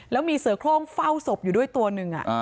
แล้วมีเสือโครงเฝ้าศพอยู่ด้วยตัวหนึ่ง